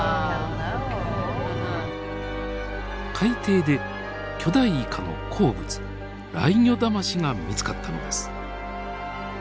海底で巨大イカの好物ライギョダマシが見つかったのです。